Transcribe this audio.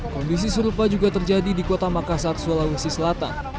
kondisi serupa juga terjadi di kota makassar sulawesi selatan